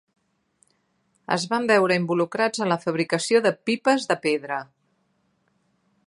Es van veure involucrats en la fabricació de pipes de pedra.